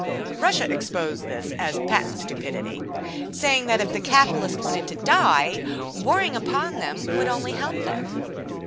Russia exposed this as patent stupidity, saying that if the Capitalists wanted to die, warring upon them would only help them.